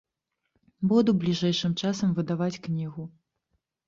Буду бліжэйшым часам выдаваць кнігу.